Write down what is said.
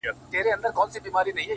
ما ويل څه به ورته گران يمه زه;